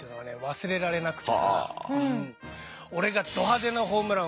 忘れられなくてさ。